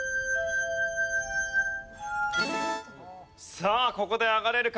さあここで上がれるか？